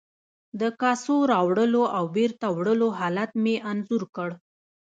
د کاسو راوړلو او بیرته وړلو حالت مې انځور کړ.